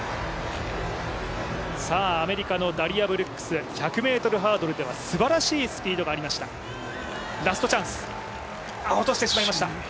アメリカのブルックス、すばらしいスピードがありました、ラストチャンス、落としてしまいました。